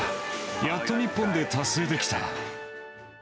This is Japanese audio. やっと日本で達成できた。